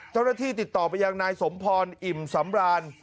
เจ้าหน้าที่ติดต่อไปยังนายสมพรอิ่มสำราญ